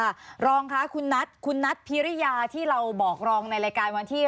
รองค่ะคุณนัทคุณนัทพิริยาที่เราบอกรองในรายการวันที่